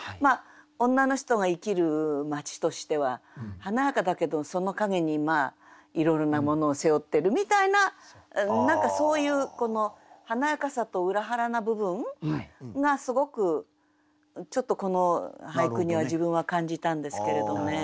女の人が生きる街としては華やかだけどその陰にいろいろなものを背負ってるみたいな何かそういうこの華やかさと裏腹な部分がすごくちょっとこの俳句には自分は感じたんですけれどね。